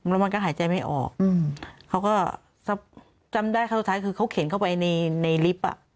แล้วมันก็หายใจไม่ออกเขาก็จำได้ครั้งสุดท้ายคือเขาเข็นเข้าไปในในลิฟต์อ่ะ